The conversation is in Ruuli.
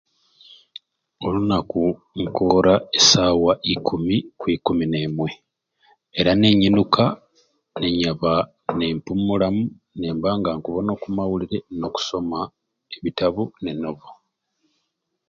Olunaku nkoora esaawa ikumi ku ikumi n'emwe era ninyinuka ninyaba nempumulamu nemba nga nkubona oku mawulire n'okusoma ebitabu ne Novo.